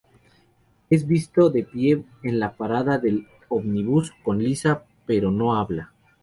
Es visto de pie en la parada del ómnibus con Lisa, pero no habla.